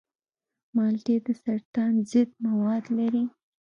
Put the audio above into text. مالټې د سرطان ضد مواد لري.